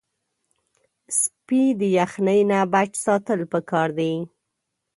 سپي د یخنۍ نه بچ ساتل پکار دي.